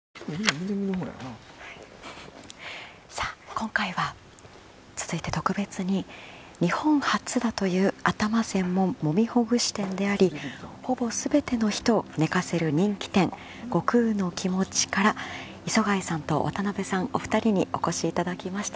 今回は特別に日本初だという頭専門もみほぐし店でありほぼ全ての人を寝かせる人気店悟空のきもちから磯貝さんと渡部さんお二人にお越しいただきました。